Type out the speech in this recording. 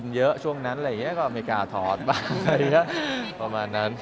ด้วยควบคุม